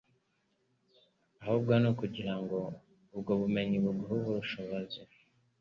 ahubwo ni ukugira ngo ubwo bumenyi buguhe ubushobozi